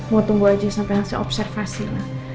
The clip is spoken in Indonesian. mau tunggu aja sampe langsung observasi lah